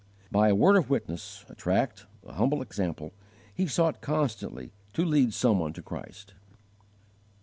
By a word of witness, a tract, a humble example, he sought constantly to lead some one to Christ.